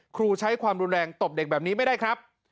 ครูใช้ความรุนแรงตบเด็กแบบนี้ไม่ได้ครับ